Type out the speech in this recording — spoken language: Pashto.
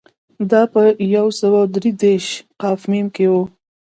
دا په یو سوه درې دېرش ق م کې و